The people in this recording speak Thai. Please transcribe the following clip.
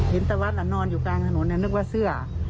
ตะวัดนอนอยู่กลางถนนนึกว่าเสื้อ